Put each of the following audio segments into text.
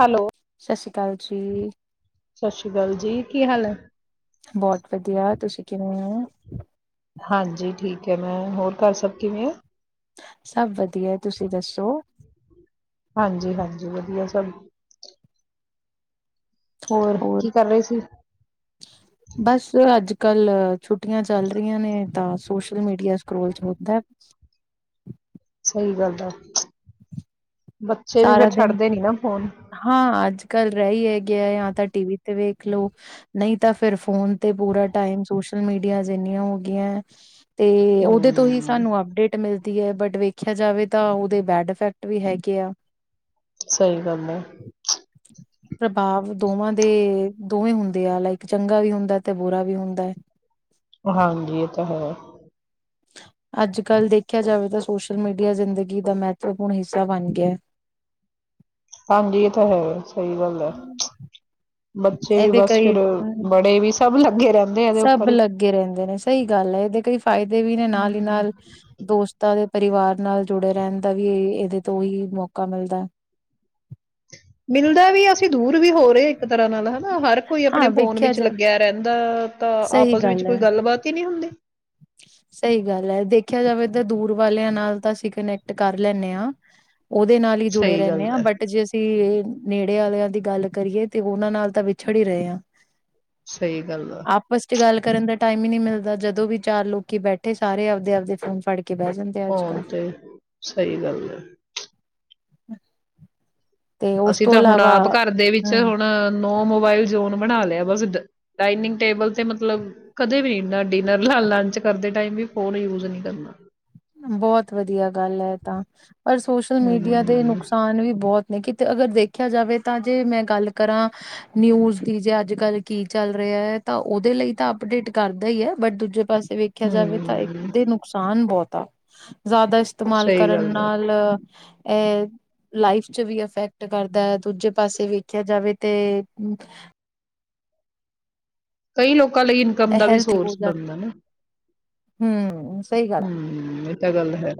Hello ਸਤਿ ਸ਼੍ਰੀ ਅਕਾਲ ਜੀ, ਸਤਿ ਸ੍ਰੀ ਅਕਾਲ ਜੀ। ਕੀ ਹਾਲ ਹੈ? ਬਹੁਤ ਵਧੀਆ, ਤੁਸੀਂ ਕਿਵੇਂ ਹੋ? ਕਿਵੇਂ ਮੈਂ ਹੋਰ ਘਰ ਸਭ ਕਿਵੇਂ ਆ? ਸਭ ਵਧੀਆ ਤੁਸੀਂ ਦੱਸੋ? ਹਾਂਜੀ-ਹਾਂਜੀ, ਵਧੀਆ ਸਭ। ਹੋਰ ਕੀ ਕਰ ਰਹੇ ਸੀ? ਬਸ ਅੱਜ ਕੱਲ ਛੁੱਟੀਆਂ ਚੱਲ ਰਹੀਆਂ ਨੇ। ਤਾਂ ਸੋਸ਼ਲ ਮੀਡੀਆ ਸਕਰੋਲ ਚ ਹੁੰਤਾ। ਕੀ ਕਰਦਾ। [unintelligible] ਬੱਚੇ ਵੀ ਸਾਰਾ ਫੇਰ ਦਿਨ ਛੱਡਦੇ ਨੀ ਨਾ ਫੋਨ। ਹਾਂ ਅੱਜ ਕੱਲ ਰਹੀ ਹੈ। ਗਿਆ ਜਾਂ ਤਾਂ ਟੀ ਵੀ ਤੇ ਵੇਖ। ਦੇਖਲੋ ਨਹੀਂ, ਤਾਂ ਫੇਰ ਫੋਨ ਤੇ ਪੂਰਾ ਟਾਈਮ ਸੋਸ਼ਲ ਮੀਡੀਆ ਅੱਜ ਇੰਨੀਆਂ ਹੋਗਿਆ। ਤੇ ਉਹਦੇ ਤੋਂ ਹੀ ਹੂੰ, ਸਾਨੂੰ ਅਪਡੇਟ ਮਿਲ। ਮਿਲਦੀ ਹੈ ਬਟ ਵੇਖਿਆ ਜਾਵੇ ਤਾਂ ਉਹਦੇ ਬੈਡ ਇਫੈਕਟ ਵੀ ਹੈਗੇ ਆ। ਸਹੀ ਗੱਲ ਹੈ। ਪ੍ਰਭਾਵ ਦੋਵਾਂ ਦੇ ਦੋਵੇਂ ਹੁੰਦੇ ਆ ਲਾਈਕ ਚੰਗਾ ਵੀ ਹੁੰਦਾ ਤੇ ਬੁਰਾ ਵੀ ਹੁੰਦਾ ਹੈ। ਹਾਂਜੀ ਇਹ ਤਾਂ ਹੈ। ਅੱਜ ਕੱਲ੍ਹ ਦੇਖਿਆ ਜਾਵੇ ਤਾਂ ਸੋਸ਼ਲ ਮੀਡੀਆ ਜ਼ਿੰਦਗੀ ਦਾ ਮਹੱਤਵਪੂਰਨ ਹਿੱਸਾ ਬਣ ਗਿਆ। ਹਾਂਜੀ ਇਹ ਤਾਂ ਹੈ ਸਹੀ ਗੱਲ ਹੈ। ਬੱਚੇ ਵੀ ਇਹਦੇ ਬਸ ਫੇਰ, ਕਈ ਬੜੇ ਵੀ ਸਭ ਲੱਗੇ ਰਹਿੰਦੇ ਆ ਇਹਦੇ ਸਭ ਉੱਪਰ ਹੀ। ਲੱਗੇ ਰਹਿੰਦੇ ਨੇ ਸਹੀ ਗੱਲ ਹੈ ਇਹਦੇ ਕਈ ਫਾਇਦੇ ਵੀ ਨੇ ਨਾਲ ਹੀ ਨਾਲ ਦੋਸਤਾਂ ਸਾਰੇ ਪਰਿਵਾਰ ਨਾਲ ਜੁੜੇ ਰਹਿਣ ਦਾ ਵੀ ਇਹਦੇ ਤੋਂ ਹੀ ਮੌਕਾ ਮਿਲਦਾ ਹੈ। ਮਿਲਦਾ ਵੀ ਅਸੀਂ ਦੂਰ [unintelligible] ਵੀ ਹੋ ਰਹੇ ਇੱਕ ਤਰ੍ਹਾਂ ਨਾਲ ਹਨਾ, ਹਰ ਕੋਈ ਆਪਣੇ ਹਾਂ ਫੋਨ ਵੇਖਿਆ ਵਿੱਚ ਜਾਵੇ ਲੱਗਿਆ ਰਹਿੰਦਾ। ਤਾਂ ਸਹੀ ਆਪਸ ਵਿੱਚ ਗੱਲ ਹੈ। ਕੋਈ ਗੱਲਬਾਤ ਹੀ ਹੁੰਦੀ ਸਹੀ ਗੱਲ ਹੈ ਦੇਖਿਆ ਜਾਵੇ ਤਾਂ ਦੂਰ ਵਾਲਿਆਂ ਨਾਲ ਤਾਂ ਅਸੀਂ ਕਨੈਕਟ ਕਰ ਲੈਦੇ ਹਾਂ। ਉਹਦੇ ਨਾਲ ਹੀ ਜੁੜੇ ਸਹੀ ਰਹਿੰਦੇ ਗੱਲ ਹਾਂ, ਹੈ, ਬਟ ਜੇ ਅਸੀਂ ਨੇੜੇ ਵਾਲਿਆਂ ਦੀ ਗੱਲ ਕਰੀਏ ਤੇ ਉਹਨਾਂ ਨਾਲ ਤਾਂ ਵਿਛੜ ਹੀ ਰਹੇ ਹਾਂ ਸਹੀ ਗੱਲ ਆ ਆਪਸ ਚ ਗੱਲ ਕਰਨ ਦਾ ਟਾਈਮ ਹੀ ਨਹੀਂ ਮਿਲਦਾ ਜਦੋਂ ਵੀ ਚਾਰ ਲੋਕੀ ਬੈਠੇ ਸਾਰੇ ਆਪਦੇ ਆਪਦੇ ਫੋਨ ਫੜ ਕੇ ਬਹਿ ਜਾਂਦੇ ਅੱਜ ਫੋਨ ਕੱਲ ਤੇ ਸਹੀ ਗੱਲ ਹੈ। [unintelligible] ਤੇ ਉਸ ਅਸੀਂ ਤੋਂ ਤਾਂ ਹੁਣ ਇਲਾਵਾ ਆਪ ਘਰ ਦੇ ਵਿੱਚ ਹਮ ਹੁਣ ਨੋ ਮੋਬਾਇਲ ਜੋਨ ਬਣਾ ਲਿਆ ਬਸ, ਡਾਇਨਿੰਗ ਟੇਬਲ ਤੇ ਮਤਲਬ ਕਦੇ ਵੀ ਨਾ ਡਿਨਰ, ਨਾ ਲੰਚ ਕਰਦੇ ਟਾਈਮ ਵੀ ਫੋਨ ਯੂਜ ਨਹੀਂ ਕਰਨਾ। ਬਹੁਤ ਵਧੀਆ। ਗੱਲ ਹੈ ਤਾਂ ਪਰ ਸੋਸ਼ਲ ਮੀਡੀਆ ਦੇ ਹੂੰ ਨੁਕਸਾਨ ਵੀ ਬਹੁਤ ਨਹੀਂ ਕਿਤੇ ਅਗਰ ਦੇਖਿਆ ਜਾਵੇ ਤਾਂ ਜੇ ਮੈਂ ਗੱਲ ਕਰਾਂ ਨਿਊਜ ਦੀ ਜੇ ਅੱਜ ਕੱਲ ਕੀ ਚੱਲ ਰਿਹਾ ਹੈ ਤਾਂ ਉਹਦੇ ਲਈ ਤਾਂ ਅਪਡੇਟ ਕਰਦਾ ਹੀ ਹੈ, ਬਟ ਦੂਜੇ ਪਾਸੇ ਤੇ ਵੇਖਿਆ ਜਾਵੇ ਤਾਂ ਇੱਕ ਹੂੰ ਤੇ ਨੁਕਸਾਨ ਬਹੁਤ ਨੇ। [unintelligible] ਜ਼ਿਆਦਾ ਇਸਤੇਮਾਲ ਸਹੀ ਕਰਨ ਗੱਲ ਆ ਨਾਲ ਏ ਲਾਈਫ ਚ ਵੀ ਇਫੈਕਟ ਕਰਦਾ ਹੈ, ਦੂਜੇ ਪਾਸੇ ਵੇਖਿਆ ਜਾਵੇ ਤੇ ਕਈ ਲੋਕ ਲੋਕਾਂ ਲਈ ਇਨਕਮ ਦਾ ਵੀ ਸੋਰਸ ਬਣਦਾ ਨਾ। ਹੂੰ। ਹੂੰ ਸਹੀ ਗੱਲ ਹੈ।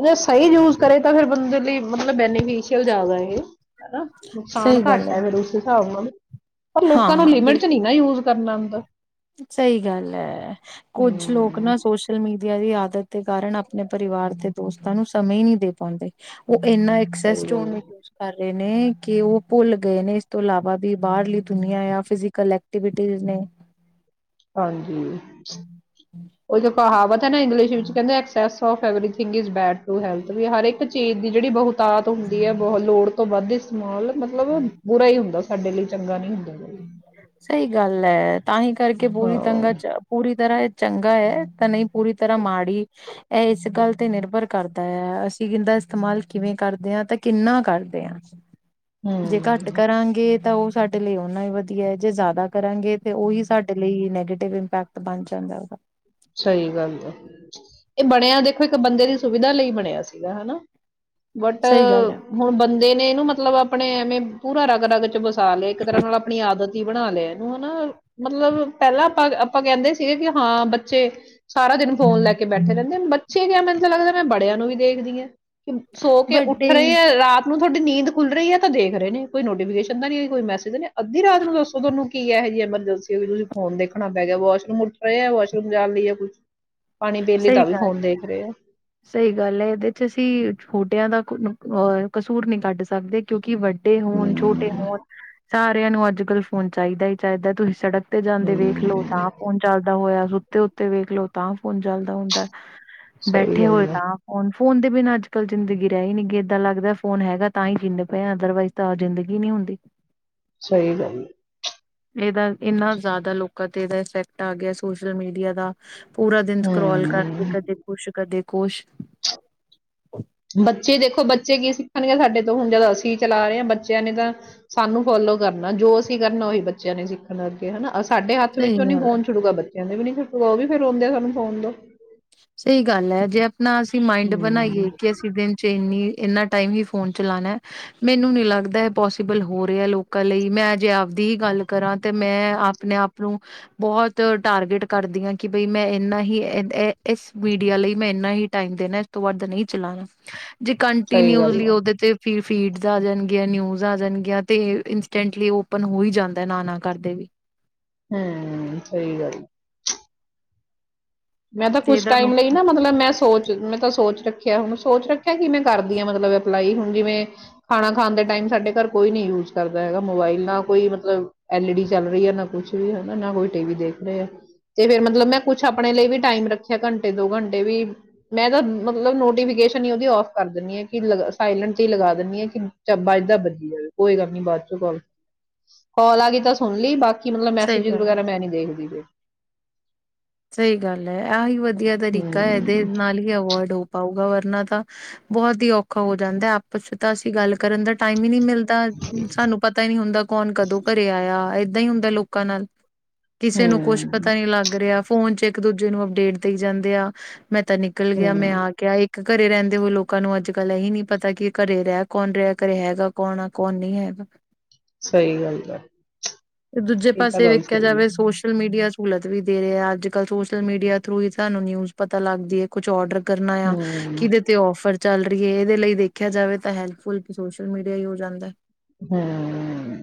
ਅਗਰ ਸਹੀ ਯੂਜ ਕਰੇ ਤਾਂ ਫਿਰ ਬੰਦੇ ਲਈ ਮਤਲਬ ਬੈਨੀਫਿਸ਼ੀਅਲ ਜ਼ਿਆਦਾ ਇਹ। ਹਨਾ, ਨੁਕਸਾਨ ਸਹੀ ਗੱਲ ਘੱਟ ਹੈ, ਫੇਰ ਉਸ ਹਿਸਾਬ ਨਾਲ ਪਰ ਹਾਂ ਲੋਕਾਂ ਨੂੰ ਹਾਂ ਲਿਮਿਟ ਚ ਬਿਲਕੁਲ ਨਹੀਂ ਨਾ ਯੂਜ ਕਰਨਾ। [unintelligible] ਸਹੀ ਗੱਲ ਹੈ ਕੁੱਝ ਲੋਕ ਹਮ ਨਾ ਸੋਸ਼ਲ ਮੀਡੀਆ ਦੀ। ਆਦਤ ਦੇ ਕਾਰਨ ਆਪਣੇ ਪਰਿਵਾਰ ਤੇ ਦੋਸਤਾਂ ਨੂੰ ਸਮੇ ਨਹੀਂ ਦੇ ਪਾਉਂਦੇ। ਉਹ ਇੰਨਾ ਸਹੀ ਐਕਸੈਸਡ ਗੱਲ ਹੈ। ਯੂਜ ਕਰ। ਨੇ ਕਿ ਉਹ ਭੁੱਲ ਗਏ ਨੇ ਇਸ ਤੋਂ ਇਲਾਵਾ ਵੀ ਬਾਹਰਲੀ ਦੁਨੀਆਂ ਆ ਪੀਸੀ ਕਲਰ ਐਕਟੀਵਿਟੀ ਨੇ। ਹਾਂਜੀ। ਉਹ। ਕਹਾਵਤ। ਇੰਗਲਿਸ਼ ਵਿੱਚ ਕਹਿੰਦੇ excess. Of everything is bad to health ਵੀ ਹਰ ਇੱਕ ਚੀਜ਼ ਦੀ ਜਿਹੜੀ ਬਹੁਤ। ਤਾਤ ਹੁੰਦੀ ਹੈ ਬਹੁਤ ਲੋੜ ਤੋਂ ਵੱਧ। [inaudible] ਮਤਲਬ ਬੁਰਾ ਹੀ ਹੁੰਦਾ ਸੀ। ਸਾਡੇ ਲਈ ਚੰਗਾ ਨਹੀਂ। ਕੋਈ ਸਹੀ ਗੱਲ ਹੈ। ਤਾਂ ਹੀ ਕਰਕੇ ਪੂਰੀ ਤੰਗ ਹਾਂ ਚ ਪੂਰੀ ਤਰ੍ਹਾਂ। ਚੰਗਾ ਹੈ ਤਾਂ ਨਹੀਂ ਪੂਰੀ ਤਰ੍ਹਾਂ ਮਾੜੀ ਇਹ ਇਸ ਗੱਲ ਤੇ ਨਿਰਭਰ ਕਰਦਾ ਹੈ ਅਸੀਂ ਇਹਦਾ ਇਸਤੇਮਾਲ ਕਿਵੇਂ ਕਰਦੇ ਹਾਂ ਤੇ ਕਿੰਨਾ ਕਰਦੇ ਹਾਂ। ਜੇ ਘੱਟ ਹਮ ਕਰਾਂਗੇ ਤਾਂ ਉਸ। ਤੁਹਾਡੇ ਲਈ। ਐਨਾ ਹੀ ਵਧੀਆ ਜੇ ਜ਼ਿਆਦਾ ਕਰਾਂਗੇ ਤੇ ਉਹੀ ਸਾਡੇ ਲਈ ਨੈਗੇਟਿਵ ਇੰਪੈਕਟ ਬਣ ਜਾਂਦਾ ਉਹਦਾ। ਸਹੀ ਗੱਲ ਇਹ ਬਣਿਆ ਦੇਖੋ ਇੱਕ ਬੰਦੇ ਦੀ ਸੁਵਿਧਾ ਲਈ ਬਣਿਆ ਸੀਗਾ ਹਨਾ। ਬਟ ਸਹੀ ਗੱਲ ਹੈ ਹੁਣ ਬੰਦੇ ਨੇ। ਨੂੰ ਮਤਲਬ ਆਪਣੇ ਐਵੇਂ ਪੂਰਾ ਰਗ ਰਗ ਚ। ਸਾਲ ਇੱਕ ਤਰ੍ਹਾਂ ਨਾਲ ਆਪਣੀ ਆਦਤ। ਬਣਾ ਲਿਆ ਇਹਨੂੰ ਹਨਾ ਮਤਲਬ ਪਹਿਲਾਂ ਆਪਾਂ ਆਪਾਂ ਕਹਿੰਦੇ ਸੀਗੇ ਕਿ ਹਾਂ ਬ। ਬੱਚੇ। ਸਾਰਾ ਦਿਨ ਫੋਨ ਲੈ ਕੇ ਬੈਠੇ ਰਹਿੰਦੇ ਬੱਚੇ। ਠੀਕ ਮੈਨੂੰ ਤਾਂ ਲੱਗਦਾ ਮੈਂ ਬੜਿਆਂ ਨੂੰ ਵੀ ਦੇਖਦੀ ਹਾਂ। ਸੋ ਕੇ ਉੱਠ ਵੱਡੇ ਰਹੇ ਹੈ ਰਾਤ ਨੂੰ। ਤੁਹਾਡੀ ਨੀਂਦ ਖੁੱਲ ਰਹੀ ਹੈ ਤਾਂ ਦੇਖ ਰਹੇ ਨੇ ਕੋਈ ਨੋਟੀਫਿਕੇਸ਼ਨ ਦਾ ਨੀ ਕੋਈ ਮੈਸੇਜ ਨੇ ਅੱਧੀ ਰਾਤ ਨੂੰ ਦੱਸੋ ਤੁਹਾਨੂੰ ਕੀ ਇਹੋ ਜਹੀ ਐਮਰਜੈਂਸੀ ਹੋਈ ਤੁਸੀਂ ਫੋਨ ਦੇਖਣਾ ਪੈ ਗਿਆ ਵਾਸ਼ਰੂਮ ਉੱਠ ਰਹਾ ਵਾਸ਼ ਰੂਮ ਜਾਣ ਲਈ ਆ ਕੁਛ। ਪਾਣੀ ਬੇਲੀ ਦਾ ਸਹੀ ਵੀ ਹੋਣ ਗੱਲ ਦੇਖ ਰਹੇ ਆ। ਸਹੀ ਗੱਲ ਹੈ ਇਹਦੇ ਚ ਅਸੀਂ ਛੋਟਿਆਂ ਦਾ। [inaudible] ਕਸੂਰ ਨਹੀਂ ਕੱਢ ਸਕਦੇ ਕਿਉਂਕਿ ਵੱਡੇ। ਵੱਡੇ ਹੋਣ ਹਮ ਛੋਟੇ ਹੋਣ ਸਾਰਿਆਂ ਨੂੰ ਅੱਜ ਕੱਲ ਫੋਨ ਚਾਹੀਦਾ ਹੀ ਚਾਹੀਦਾ ਤੁਸੀਂ ਸੜਕ ਤੇ ਜਾਂਦੇ ਵੇਖ ਲਓ ਹਮ ਤਾਂ ਫੋਨ ਚੱਲਦਾ ਹੋਇਆ ਤੇ ਉੱਤੇ ਵੇਖਲੋ ਤਾਂ ਫਣ ਚਲਦਾ ਹੁੰਦਾ ਬੈਠ ਸਹੀ ਕੱਠੇ ਗੱਲ ਹੋਏ ਹੈ, ਤਾਂ ਫੋਨ ਫੋਨ ਦੇ ਬਿਨਾਂ ਅੱਜ ਕੱਲ੍ਹ ਜ਼ਿੰਦਗੀ ਰਹਿ ਹੀ ਨੀ ਗਈ ਏਦਾਂ ਲੱਗਦਾ ਫੋਨ ਹੈਗਾ ਤਾਂ ਹੀ ਜੀਨੇ ਪਏ ਅਦਰਵਾਈਜ਼ ਤਾਂ ਜ਼ਿੰਦਗੀ ਨਹੀਂ ਹੁੰਦੀ ਸਹੀ ਗੱਲ ਇਹਦਾ ਇਨਾ ਜ਼ਿਆਦਾ ਲੋਕਾਂ ਤੇ ਇਹਦਾ ਇਫੈਕਟ ਆ ਗਿਆ ਸੋਸ਼ਲ ਮੀਡੀਆ ਦਾ ਪੂਰਾ ਦਿਨ ਸਕਰੋਲ ਕਰਕੇ ਹਮ, ਕਦੇ ਕੁਛ ਕਦੇ ਖੁਸ਼ ਬੱਚੇ ਦੇਖੋ ਬੱਚੇ ਕੀ ਸਿੱਖਣਗੇ ਸਾਡੇ ਤੋਂ ਹੁਣ ਜਦ ਅਸੀਂ ਚਲਾ ਰਹੇ ਹਾਂ ਬੱਚਿਆਂ ਨੇ ਤਾਂ ਸਾਨੂੰ ਫੋਲੋ ਕਰਨਾ ਜੋ ਅਸੀਂ ਕਰਨਾ ਉਹੀ ਬੱਚਿਆਂ ਨੇ ਸਿੱਖਨਾ ਅੱਗੇ ਹਨਾ ਸਾਡੇ ਹੱਥ ਸਹੀ ਵਿੱਚ ਉਹ ਨੀ ਗੱਲ ਫੋਨ ਛੁਡੂਗਾ ਬੱਚਿਆਂ ਦੇ ਵੀ ਨੀ ਉਹ ਵੀ ਫੇਰ ਰੋਂਦੇ ਆ ਸਾਨੂੰ ਫੋਨ ਦੋ ਸਹੀ ਗੱਲ ਹੈ ਜੇ ਨਾ ਅਸੀਂ ਮਾਇੰਡ ਹਮ, ਬਣਾਈਏ ਕਿ ਅਸੀਂ ਦਿਨ ਚ ਇੰਨੀ ਇਨਾ ਟਾਈਮ ਹੀ ਫੋਨ ਚਲਾਉਣਾ ਮੈਨੂੰ ਨੀ ਲੱਗਦਾ ਇਹ ਪੋਸੀਬਲ ਹੋ ਰਿਹਾ ਲੋਕਾਂ ਲਈ ਮੈਂ ਜੇ ਆਪਦੀ ਹੀ ਗੱਲ ਕਰਾਂ ਤੇ ਮੈਂ ਆਪਣੇ ਆਪ ਨੂੰ ਬਹੁਤ ਟਾਰਗੇਟ ਕਰਦੀ ਹਾਂ ਕਿ ਬਈ ਮੈਂ ਇਨਾ ਹੀ ਇਸ ਮੀਡੀਆ ਲਈ ਮੈਂ ਇੰਨਾ ਹੀ ਟਾਈਮ ਦੇਣਾ ਇਸ ਤੋਂ ਬਾਅਦ ਨਹੀਂ ਚਲਾਣਾ ਜੇ ਸਹੀ ਗੱਲ ਕੰਟੀਨਿਊਸਲੀ ਹੈ। ਉਹਦੇ ਤੇ ਫਿਰ ਫੀਡਸ ਆ ਜਾਣਗੇ ਨਿਊਜ ਆ ਜਾਣਗੇ ਤੇ ਇੰਨਸਟਨਟਲੀ ਓਪਨ ਹੋਈ ਜਾਂਦਾ ਨਾ ਨਾ ਕਰਦੇ ਵੀ ਹੂੰ ਸਹੀ ਗੱਲ ਮੈਂ ਤਾਂ ਤੇ ਕੁਛ ਇਹਦਾ ਟਾਈਮ ਨੁਕ ਲਈ ਨਾ ਮਤਲਬ ਮੈਂ ਸੋਚ ਮੈਂ ਤਾਂ ਸੋਚ ਰੱਖ ਕਿਆ ਹੁਣ ਸੋਚ ਰੱਖਿਆ ਕਿ ਮੈਂ ਕਰਦੀ ਹਾਂ ਮਤਲਬ ਅਪਲਾਈ ਹੁਣ ਜਿਵੇਂ ਖਾਣਾ ਖਾਣ ਦੇ ਟਾਈਮ ਸਾਡੇ ਘਰ ਕੋਈ ਨੀ ਯੂਜ ਕਰਦਾ ਹੈਗਾ ਮੋਬਾਈਲ ਨਾ ਕੋਈ ਮਤਲਬ ਐਲ ਈ ਡੀ ਚੱਲ ਰਹੀ ਹੈ ਨਾ ਕੁਛ ਵੀ ਹਨਾ ਨਾ ਕੋਈ ਟੀ ਵੀ ਦੇਖ ਰਹਾ ਆ ਤੇ ਫੇਰ ਮਤਲਬ ਮੈਂ ਕੁਛ ਆਪਣੇ ਲਈ ਵੀ ਟਾਈਮ ਰੱਖਿਆ ਘੰਟੇ ਦੋ ਘੰਟੇ ਵੀ ਮੈਂ ਤਾਂ ਮਤਲਬ ਨੋਟੀਫਿਕੇਸ਼ਨ ਹੀ ਉਹਦੀ ਔਫ ਕਰ ਦਿੰਦੀ ਆ ਕਿ ਸਾਇਲੈਂਟ ਹੀ ਲਗਾ ਦਿੰਦੀ ਆ ਕਿ ਬਜਦਾ ਬੱਜੀ ਜਾਵੇ ਕੋਈ ਗੱਲ ਨੀ ਬਾਅਦ ਚ ਕਾਲ ਆ ਗਈ ਤਾਂ ਸੁਣ ਲਈ ਬਾਕੀ ਕਿ ਮਤਲਬ ਸਹੀ ਮੈਸੇਜ ਗੱਲ ਹੈ ਵਗੈਰਾ ਮੈਂ ਨੀ ਦੇਖਦੀ ਸਹੀ ਗੱਲ ਹੈ ਆਹੀ ਵਧੀਆ ਤਰੀਕਾ ਇਹਦੇ ਹੂੰ ਨਾਲ ਹੀ ਅਵੋਇਡ ਹੋ ਪਾਊਗਾ ਵਰਨਾ ਤਾਂ ਬਹੁਤ ਹੀ ਔਖਾ ਹੋ ਜਾਂਦਾ ਆਪਸ ਚ ਤਾਂ ਅਸੀਂ ਗੱਲ ਕਰਨ ਦਾ ਟਾਈਮ ਹੀ ਨਹੀਂ ਮਿਲਦਾ ਤਾਂ ਸਾਨੂੰ ਪਤਾ ਹੀ ਨੀ ਹੁੰਦਾ ਕੌਣ ਕਦੋਂ ਘਰੇ ਆਇਆ ਨਹੀ ਹੁੰਦਾ ਲੋਕਾਂ ਨਾਲ ਕਿਸੇ ਨੂੰ ਕੁੱਛ ਹੂੰ ਪਤਾ ਨੀ ਲੱਗ ਰਿਹਾ ਫੋਨ ਚ ਇੱਕ ਦੂਜੇ ਨੂੰ ਅਪਡੇਟ ਦੇ ਜਾਂਦੇ ਆ ਮੈਂ ਤਾਂ ਨਿਕਲ ਗਿਆ ਮੈਂ ਹੂੰ ਆ ਗਿਆ ਇੱਕ ਘਰੇ ਰਹਿੰਦੇ ਹੋਏ ਲੋਕਾਂ ਨੂੰ ਅੱਜ ਕੱਲ ਇਹੀ ਨਹੀਂ। ਪਤਾ ਕਿ ਘਰੇ ਰਹਿ ਕੌਣ ਰਿਹਾ ਘਰੇ ਹੈਗਾ ਕੌਣ ਆ ਕੌਣ ਨਹੀਂ ਹੈਗਾ ਸਹੀ ਗੱਲ ਹੈ, ਤੇ ਦੂਜੇ ਇਹ ਤਾਂ ਪਾਸੇ ਗੱਲ ਵੇਖਿਆ ਸਹੀ ਹੈ, ਜਾਵੇ ਸੋਸ਼ਲ ਮੀਡੀਆ ਸਹੂਲਤ ਵੀ ਦੇ ਰਿਹਾ। ਅੱਜ ਕੱਲ੍ਹ ਸੋਸ਼ਲ ਮੀਡੀਆ ਥਰੂ ਹੀ ਸਾਨੂੰ ਨਿਊਜ਼ ਪਤਾ ਲੱਗਦੀਏ ਕੁਛ ਔਰਡਰ ਕਰਨਾ ਆ, ਹੂੰ। ਕਿਦੇ ਤੇ ਔਫਰ ਚੱਲ ਰਹੀ ਹੈ, ਇਹਦੇ ਲਈ ਦੇਖਿਆ ਜਾਵੇ ਤਾਂ ਹੈਲਪਫੁਲ ਸੋਸ਼ਲ ਮੀਡੀਆ ਹੀ ਹੋ ਜਾਂਦ ਏ। ਹਮ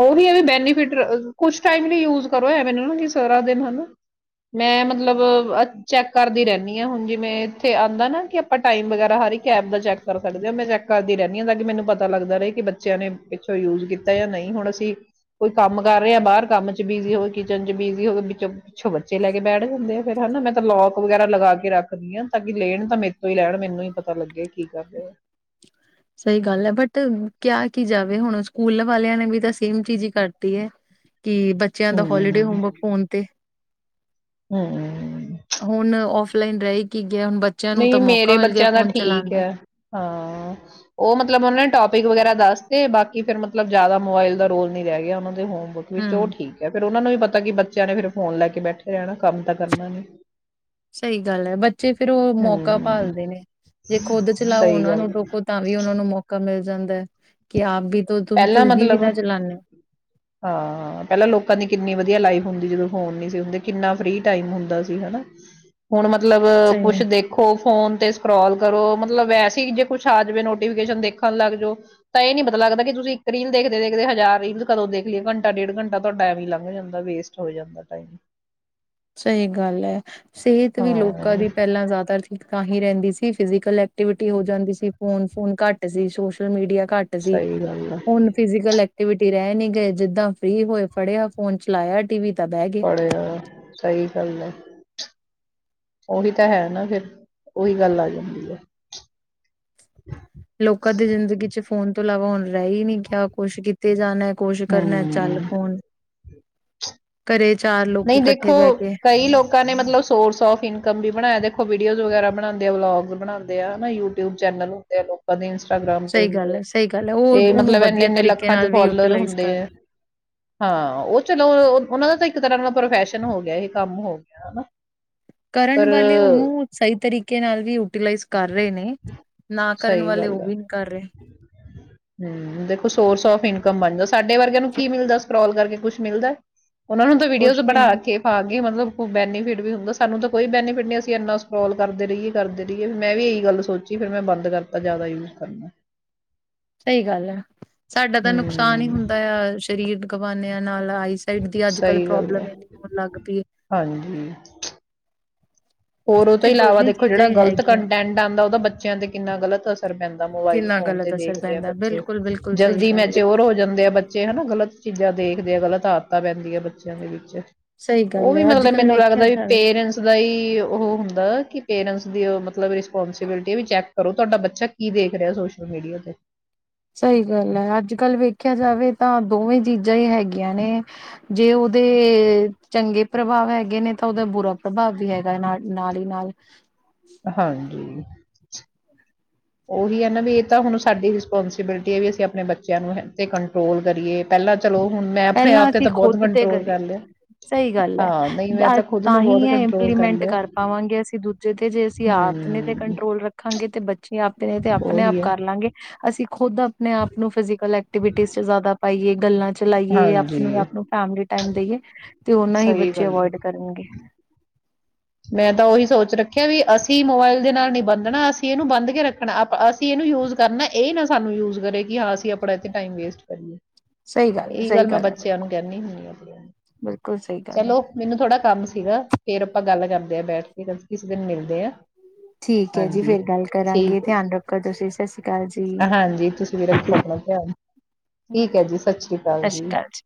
ਓਹੀ ਬੈਨੀਫਿਟ ਕੁਛ ਟਾਈਮ ਲਈ ਯੂਜ ਕਰੇ ਮੈਨੂੰ ਸਾਰ ਦਿਨਾ ਹੁਣ ਮੈਂ ਮਤਲਬ ਚੈਕ ਕਰਦੀ ਰਹਿੰਣੀਂ ਹ ਹੁਣ ਜਿਵੇ ਇਥੇ ਆਦਾ ਨਾ ਕਿ ਆਪਾ ਟਾਈਮ ਵਗੇਰਾ ਹਰ ਇਕ ਚੈਕ ਕਰ ਸਕਦੇ ਚੈ ਕਰਦੀ ਰਹਿਨੀ ਆ ਤਾਕਿ ਮੈਨੂੰ ਪਤਾ ਲਗਦਾ ਰਹੈ ਕਿ ਬਚੇ ਬੱਚਿਆਂ ਨੇ ਪਿੱਛੋਂ ਯੂਜ ਕੀਤਾ ਯਾ ਨਹੀਂ ਹੁਣ ਅਸੀਂ ਕੋਈ ਕੰਮ ਕਰ ਰਹੇ ਹਾਂ ਬਾਹਰ ਕੰਮ ਚ ਬਿਜ਼ੀ ਹੋਵੇ ਕਿਚਨ ਚ ਬਿਜੀ ਹੋਵੇ ਵਿੱਚ ਪਿੱਛੋਂ ਬੱਚੇ ਲੈ ਕੇ ਬੈਠ ਜਾਂਦੇ ਆ, ਫਿਰ ਹਨਾ ਮੈਂ ਤਾਂ ਲੋਕਕ ਵਗੈਰਾ ਲਗਾ ਕੇ ਰੱਖਦੀ ਹਾਂ ਤਾਂ ਕਿ ਲੈਣ ਤਾਂ ਮੇਰੇ ਤੋਂ ਹੀ ਲੈਣ ਮੈਨੂੰ ਹੀ ਪਤਾ ਲੱਗੇ ਕੀ ਕਰ ਰਹੇ। ਸਹੀ ਗੱਲ ਹੈ, ਬਟ ਕਿਆ ਕੀ ਜਾਵੇ ਹੁਣ ਸਕੂਲ ਵਾਲਿਆਂ ਨੇ ਵੀ ਤਾਂ ਸੇਮ ਚੀਜ਼ ਹੀ ਕਰਤੀ ਹੈ। ਕਿ ਬੱਚਿਆਂ ਦਾ ਹੋਲੀਡੇ ਹੋਮਵਰਕ ਫੋਨ ਤੇ ਹਮ ਹਮ ਹੁਣ ਓਫਲਾਈਨ ਰਹੇ ਕਿ ਨਹੀਂ ਮੇਰੇ ਬੱਚਿਆਂ ਦਾ ਚਲਾਉਣ ਠੀਕ ਦਾ ਹੈ, ਹਾਂ ਉਹ ਮਤਲਬ ਉਹਨੇ ਟੋਪ ਟੌਪਿਕ ਵਗੈਰਾ ਦੱਸ ਤੇ ਬਾਕਿ ਫਿਰ ਮਤਲਬ ਜ਼ਿਆਦਾ ਮੋਬਾਇਲ ਦਾ ਰੋਲ ਨੀ ਰਹਿ ਗਿਆ। ਉਹਨਾਂ ਦੇ ਹੋਮ ਵਿੱਚ -ਵਿੱਚ ਹਮ ਉਹ ਠੀਕ ਹੈ ਫਿਰ ਉਹਨਾਂ ਨੂੰ ਵੀ ਪਤਾ ਕਿ ਬੱਚਿਆਂ ਨੇ ਫਿਰ ਫੋਨ ਲੈ ਕੇ ਬੈਠੇ ਰਹਿਣਾ ਕੰਮ ਤਾਂ ਕਰਨਾ ਣੀਂ ਸਹੀ ਗੱਲ ਹੈ। ਬੱਚੇ ਫੇਰ ਉਹ ਮੌਕਾ ਹਮ ਭਾਲਦੇ ਨੇ ਜੇ ਖੁੱਦ ਚਲਾਓ ਸਹੀ ਉਹਨਾ ਗੱਲ ਨੂੰ ਟੋਕੋ ਤਾਂ ਵੀ ਉਹਨਾਂ ਨੂੰ ਮੌਕਾ ਮਿਲ ਜਾਂਦਾ। ਕਿ ਆਪ ਬੀ ਪਹਿਲਾਂ ਮਤਲਬ ਹਾਂ ਪਹਿਲਾਂ ਲੋਕਾਂ ਦੀ ਕਿੰਨੀ ਵਧੀਆ ਲਾਈਫ ਹੁੰਦੀ ਜਦੋਂ ਫੋਨ ਨੀ ਸੀ ਹੁੰਦੇ ਕਿੰਨਾ ਫਰੀ ਟਾਈਮ ਹੁੰਦਾ ਸੀ ਹਨਾ ਹੁਣ ਮਤ ਮਤਲਬ ਸਹੀ ਹੈ ਕੁਛ ਦੇਖੋ ਫੋਨ ਤੇ ਸਕਰੋਲ ਕਰੋ ਮਤਲਬ ਵੈਸੇ ਹੀ ਜੇ ਕੁੱਛ ਆ ਜਾਵੇ ਨੋਟੀਫਿਕੇਸ਼ਨ ਦੇਖਣ ਲੱਗ ਜਾਓ ਤਾਂ ਇਹ ਨੀ ਪਤਾ ਲੱਗਦਾ ਕਿ ਤੁਸੀਂ ਇੱਕ ਰੀਲ ਦੇਖਦੇ, ਦੇਖਦੇ ਹਜ਼ਾਰ ਰੀਲ ਕਦੋਂ ਦੇਖ ਲਿਓ ਘੰਟਾ ਡੇਢ ਘੰਟਾ ਤੁਹਾਾ ਟਾਈਮ ਹੀ ਲੰਘ ਜਾਂਦਾ ਵੇਸਟ ਹੋ ਜਾਂਦਾ ਟਾਈਮ ਸਹੀ ਗੱਲ ਹੈ। ਸਿਹਤ ਵੀ ਲੋਕਾਂ ਹਾਂ ਦੀ ਪਹਿਲਾਂ ਜ਼ਿਆਦਾ ਠੀਕ ਤਾਂ ਹੀ ਰਹਿੰਦੀ ਸੀ ਫਿਜ਼ਕਲ ਐਕਟ ਐਕਵਿਟੀ ਹੋ ਜਾਂਦੀ ਸੀ। ਫੋਨ ਫੋਨ ਘੱਟ ਸੀ। ਸੋਸ਼ਲ ਮੀਡੀਆ ਘੱਟ ਸੀ, ਸਹੀ ਗੱਲ ਆ ਹੁਣ ਫਿਜ਼ਕਲ ਐਕਟੀਵਿਟੀ ਰਹਿ ਨਹੀਂ ਗਏ ਜਿੱਦਾਂ ਫ੍ਰਰੀ ਹੋਏ ਫੜਿਆ ਫੋਨ ਚਲਾਇਆ ਟੀ ਵੀ ਤੇ ਪੜਿਆ ਏ ਸਹੀ ਗੱਲ ਹੈ। ਉਹੀ ਤਾਂ ਹੈ ਨਾ ਫੇਰ ਉਹੀ ਗੱਲ ਆ ਜਾਂਦੀ ਹੈ। ਲੋਕਾਂ ਦੀ ਜ਼ਿੰਦਗੀ ਚ ਫੋਨ ਤੋਂ ਇਲਾਵਾ ਹੁਣ ਰਹਿ ਹੀ ਨੀ ਗਿਆ ਕੁਛ ਕੀਤੇ ਜਾਣੇ ਕੁਛ ਕਰਨਾ ਚੱਲ ਹਮ ਫੋਨ ਘਰੇ ਚਾਰ ਲੋਕੀ ਨਹੀਂ ਇਕੱਠੇ ਦੇਖੋ ਬਹਿ ਕੇ ਕਈ ਲੋਕਾਂ ਨੇ ਮਤਲਬ ਸੋਰਸ ਆਫ ਇਨਕਮ ਵੀ ਬਣਾਇਆ ਦੇਖੋ ਵੀਡੀਓਜ਼ ਵਗੈਰਾ ਬਣਾਉਂਦੇ ਆ ਵਲੋਗ ਬਣਾਉਂਦੇ ਆ ਹਨਾ ਯੂਟਿਊਬ ਚੈਨਲ ਹੁੰਦੇ ਆ ਲੋਕਾਂ ਦੇ ਇੰਸਟਾਗ੍ਰਾਮ ਤੇ ਸਹੀ ਗੱਲ ਹੁੰਦੇ ਹੈ, ਸਹੀ ਗੱਲ ਹੈ, ਉਹ ਤੇ ਉਹਨੂੰ ਮਤਲਬ ਇਨੇ ਵਧੀਆ ਇੰਨੇ ਤਰੀਕੇ ਲੱਖਾਂ ਚ ਨਾਲ ਵੀ ਫਲੋਰ ਯੂਟੀਲਾਈਜ਼ ਹੁੰਦੇ ਕਰ ਆ ਰਹੇ। ਹਾਂ ਉਹ ਚਲੋ ਉਹਨਾ ਦਾ ਤਾਂ ਇੱਕ ਤਰ੍ਹਾਂ ਦਾ ਪ੍ਰੋਫੈਸ਼ਨ ਹੋ ਗਿਆ ਇਹ ਕੰਮ ਹੋ ਗਿਆ ਹਨਾ। ਕਰਨ ਪਰ ਵਾਲੇ ਉਹਨੂੰ ਸਹੀ ਤਰੀਕੇ ਨਾਲ ਵੀ ਯੂਟੀਲਾਈਜ਼ ਕਰ ਰਹੇ ਨੇ ਨਾ ਕਰਨ ਸਹੀ ਵਾਲੇ ਗੱਲ ਹੈ ਉਹ ਵੀ ਨਹੀਂ ਕਰ ਰਹੇ ਹੂੰ ਦੇਖੋ ਸੋਰਸ ਆਫ ਇਨਕਮ ਬਣਦਾ ਸਾਡੇ ਵਰਗਿਆਂ ਨੂੰ ਕੀ ਮਿਲਦਾ ਸਕੋਲ ਕਰਕੇ ਕੁਛ ਮਿਲਦਾ ਉਹਨਾਂ ਨੂੰ ਤਾਂ ਵੀਡੀਓਜ਼ ਕੁਛ ਵੀ ਬਣਾ ਨੀ, ਕੇੇ ਪਾ ਮਤਲਬ ਬੈਨੀਫਿਟ ਵੀ ਹੁੰਦਾ ਸਾਨੂੰ ਤਾਂ ਕੋਈ ਬੈਨੀਫਿਟ ਨਹੀਂ ਅਸੀਂ ਇਨਾ ਸਕੋਲ ਕਰਦੇ ਰਹੀਏ ਕਰਦੇ ਰਹੀਏ ਫ ਮੈਂ ਵੀ ਇਹੀ ਗੱਲ ਸੋਚੀ ਫਿਰ ਮੈਂ ਬੰਦ ਕਰਤਾ ਜ਼ਿਆਦਾ ਯੂਜ ਕਰਨਾ ਸਹੀ ਗੱਲ ਹੈ ਸਾਡਾ ਤਾਂ ਨੁਕਸਾਨ ਹੀ ਹੂੰ, ਹੁੰਦਾ ਆ ਸਰੀਰ ਗਵਾਨੇ ਨਾਲ ਆਈਸਾਈਟ ਦੀ ਅੱਜ ਕਲ ਸਹੀ ਗੱਲ ਹੈ ਪ੍ਰੋਬਲਮ ਇਨੀ ਹੋਣ ਲੱਗ ਪਈ ਹਾਂਜੀ। ਹੋਰ ਉਹ ਤੋਂ ਇਹ ਇਲਾਵਾ ਦੋਵੇਂ ਦੇਖੋ ਚੀਜ਼ਾਂ ਜਿਹੜਾ ਹੀ ਗ਼ਲਤ ਹੈਗੀਆਂ। ਕੰਟੈਂਟ ਆਉਂਦਾ ਉਹਦਾ ਬੱਚਿਆਂ ਤੇ ਕਿੰਨਾ ਗ਼ਲਤ ਅਸਰ ਪੈਂਦਾ ਮੋਬਾਈਲ ਕਿੰਨਾ ਫੋਨ ਤੇ ਗ਼ਲਤ ਅਸਰ ਦੇਖਦੇ ਆ ਪੈਂਦਾ, ਬੱਚੇ ਬਿਲਕੁਲ-ਬਿਲਕੁਲ ਸਹੀ ਜਲਦੀ ਗੱਲ ਹੈ, ਮੈਚੌਰ ਹੋ ਜਾਂਦੇ ਆ ਬੱਚੇ ਹਨਾ ਗ਼ਲਤ ਚੀਜ਼ਾਂ ਦੇਖਦੇ ਆ ਗ਼ਲਤ ਆਦਤਾਂ ਪੈਂਦੀਆਂ ਬੱਚਿਆਂ ਦੇ ਵਿੱਚ ਸਹੀ ਉਹ ਗੱਲ ਵੀ ਹੈ, ਅੱਜ ਮਤਲਬ ਕੱਲ ਮੈਨੂੰ ਵੇਖਿਆ ਲੱਗਦਾ ਵੀ ਜਾਵੇ ਪੇਰੈਂਟਸ ਦਾ ਹੀ [unintelligible] ਉਹ ਹੁੰਦਾ ਕਿ ਪੇਰੈਂਟਸ ਦੀ ਮਤਲਬ ਰਿਸਪੋਂਸੀਬਿਲਟੀ ਵੀ ਚੈੱਕ ਕਰੋ ਤੁਹਾਡਾ ਬੱਚਾ ਕੀ ਦੇਖ ਰਿਹਾ ਸੋਸ਼ਲ ਮੀਡੀਆ ਤੇ ਸਹੀ ਗੱਲ ਹੈ ਅੱਜ ਕੱਲ੍ਹ ਵੇਖਿਆ ਜਾਵੇ ਤਾਂ ਦੋਵੇਂ ਚੀਜ਼ਾਂ ਹੀ ਹੈਗੀਆਂ ਨੇ। ਜੇ ਉਹਦੇ ਚੰਗੇ ਪ੍ਰਭਾਵ ਹੈਗੇ ਨੇ ਤਾਂ ਉਹਦਾ ਬੁਰਾ ਪ੍ਰਭਾਵ ਵੀ ਹੈਗਾ ਨਾਲ ਨਾਲ ਹੀ ਨਾਲ। ਹਾਂਜੀ। ਉਹੀ ਹੈ ਨਾ ਵੀ ਇਹ ਤਾਂ ਹੁਣ ਸਾਡੀ ਰਿਸਪੋਂਸੀਬਿਲਿਟੀ ਹੈ ਵੀ ਅਸੀਂ ਆਪਣੇ ਬੱਚਿਆਂ ਨੂੰ ਤੇ ਕੰਟਰੋਲ ਕਰੀਏ ਪਹਿਲਾਂ ਚਲੋ ਹੁਣ ਮੈਂ ਆਪਣੇ ਪਹਿਲਾਂ ਆਪ ਤੇ ਅਸੀਂ ਤਾਂ ਬਹੁਤ ਖੁਦ ਤੇ ਕੰਟਰੋਲ ਕਰੀਏ ਕਰ ਲਿਆ ਸਹੀ ਗੱਲ ਹੈ ਹਾਂ ਨਹੀਂ ਮੈਂ ਅ ਖੁਦ ਤਾਂ ਨੂੰ ਹੀ ਬਹੁਤ ਇਹ ਕੰਟਰੋਲ ਇੰਪਲੀਮੈਂਟ ਲਿਆ ਕਰ ਪਾਵਾਂਗੇ ਅਸੀਂ ਦੂਜੇ ਤੇ ਜੇ ਅਸੀਂ ਆਪ ਨੇ ਤੇ ਹੂੰ ਕੰਟਰੋਲ ਰੱਖਾਂਗੇ ਤੇ ਬੱਚੇ ਆਪ ਨੇ ਤੇ ਆਪਣੇ ਆਪ ਉਹੀ ਹੈ ਕਰ ਲਾਂਗੇ ਅਸੀਂ ਖੁਦ ਆਪਣੇ ਆਪ ਨੂੰ ਫਿਜ਼ਕਲ ਐਕਟੀਵਿਟੀ ਚ ਜ਼ਿਆਦਾ ਪਾਈਏ ਗੱਲਾਂ ਚ ਏ ਆਪ ਨੂੰ ਹਾਂਜੀ ਆਪ ਨੂੰ ਫੈਮਲੀ ਟਾਈਮ ਦੇਈਏ ਤੇ ਓਨਾਂ ਹੀ ਸਹੀ ਬੱਚੇ ਗੱਲ ਹੈ ਅਵੋਇਡ ਕਰਨਗੇ। ਮੈਂ ਤਾਂ ਉਹੀ ਸੋਚ ਰੱਖਿਆ ਵੀ ਅਸੀਂ ਮੋਬਾਇਲ ਦੇ ਨਾਲ ਨੀ ਬੰਦਣਾ ਅਸੀਂ ਇਹਨੂੰ ਬੰਦ ਕੇ ਰੱਖਣਾ ਅਸੀਂ ਇਹਨੂੰ ਯੂਜ ਕਰਨਾ ਇਹ ਨਾ ਸਾਨੂੰ ਯੂਜ ਕਰੇ ਕਿ ਹਾਂ ਅਸੀਂ ਆਪਣਾ ਇਥੇ ਟਾਈਮ ਵੇਸਟ ਕਰੀਏ। ਸਹੀ ਹੈ ਇਹੀ ਸਹੀ ਗੱਲ ਮੈਂ ਹੈ ਬੱਚਿਆਂ ਨੂੰ ਕਹਿੰਦੀ ਹੁੰਦੀ ਹਾ ਆਪਣੇ ਨੂੰ ਬਿਲਕੁਲ ਸਹੀ ਗੱਲ ਹੈ। ਚਲੋ ਮੈਨੂੰ ਥੋੜ੍ਹਾ ਕੰਮ ਸੀਗਾ ਫੇਰ ਆਪਾਂ ਗੱਲ ਕਰਦੇ ਆ ਬੈਠ ਕੇ ਕਿਸੇ ਦਿਨ ਮਿਲਦੇ ਆ ਠੀਕ ਹੈ ਜੀ ਹਾਂਜੀ ਫੇਰ ਗੱਲ ਕਰਾਂਗੇ ਠੀਕ ਹੈ ਜੀ। ਧਿਆਨ ਰੱਖੋ ਤੁਸੀਂ ਸਤਿ ਸ੍ਰੀ ਅਕਾਲ ਜੀ ਹਾਂਜੀ ਤੁਸੀਂ ਵੀ ਰੱਖੋ ਆਪਣਾ ਧਿਆਨ ਠੀਕ ਹੈ ਜੀ ਸ਼੍ਰੀ ਸਤਿ ਸ੍ਰੀ ਅਕਾਲ ਜੀ।